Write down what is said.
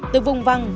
từ vùng vằng